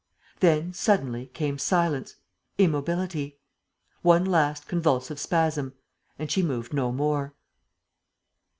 Then, suddenly, came silence, immobility. One last convulsive spasm. And she moved no more.